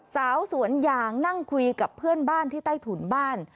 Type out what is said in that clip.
สาวสวนยางนั่งคุยกับเพื่อนบ้านที่ใต้ถุนบ้าน